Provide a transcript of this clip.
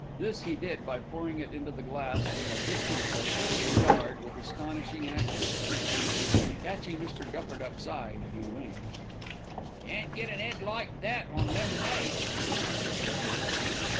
This he did by pouring it into the glass from a distance of fully a yard and with astonishing accuracy. Catching Mr. Gupperduck's eye, he winked. "Can't get an 'ead like that on lemonade," he remarked cheerfully.